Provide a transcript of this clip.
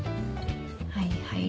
はいはい。